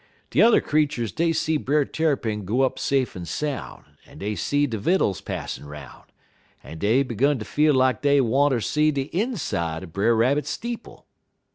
"De t'er creeturs dey see Brer Tarrypin go up safe en soun', en dey see de vittles passin' 'roun', en dey 'gun ter feel lak dey wanter see de inside er Brer Rabbit steeple.